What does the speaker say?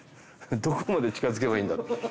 どこまで近づけばいいんだろう。